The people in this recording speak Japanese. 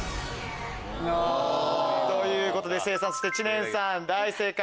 ということで聖さん知念さん大正解。